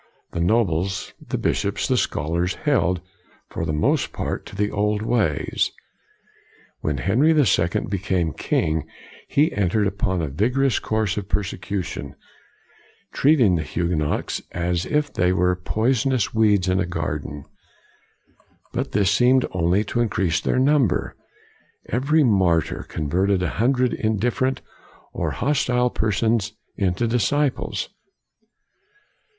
The nobles, the bishops, the scholars held, for the most part, to the old ways. When Henry the Second became king he entered upon a vigorous course of per secution, treating the Huguenots as if they 152 COLIGNY were poisonous weeds in a garden. But this seemed only to increase their number. Every martyr converted a hundred indif ferent or hostile persons into disciples.